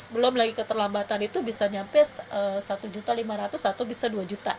belum lagi keterlambatan itu bisa nyampe satu lima ratus atau bisa dua juta